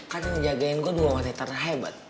kan yang jagain gue dua wanita hebat